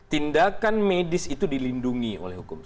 tindakan medis itu dilindungi oleh undang undang